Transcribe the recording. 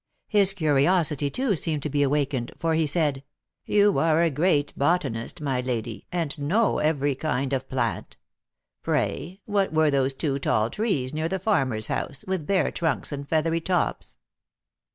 His curiosity, too, seemed to be awak ened, for he said :" You are a great botanist, my lady, and know every kind of plant. Pray, what were those two tall trees near the farmer s house, with bare trunks and feathery tops